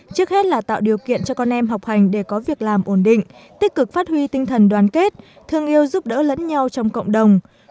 trước hết là tạo điều kiện cho con em học hành để có việc làm ổn định tích cực phát huy tinh thần đoàn kết thương yêu giúp đỡ lẫn nhau trong cộng đồng